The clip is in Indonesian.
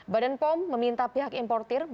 badan pong meminta pihak importer menarik